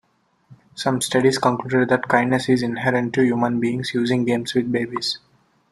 Some studies concluded that kindness is inherent to human beings, using games with babies.